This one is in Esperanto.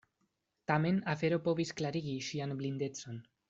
Tamen afero povis klarigi ŝian blindecon.